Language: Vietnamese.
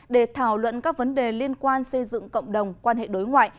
để thảo luận các vấn đề liên quan xây dựng cộng đồng quan hệ đối ngoại